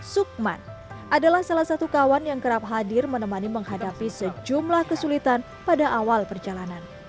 sukman adalah salah satu kawan yang kerap hadir menemani menghadapi sejumlah kesulitan pada awal perjalanan